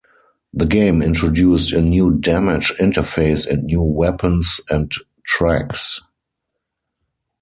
The game introduced a new damage interface and new weapons and tracks.